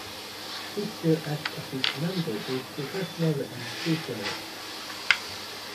Hooker acts as his mentor both professionally and socially.